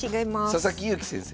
佐々木勇気先生。